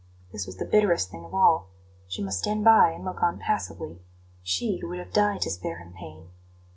This was the bitterest thing of all. She must stand by and look on passively she who would have died to spare him pain.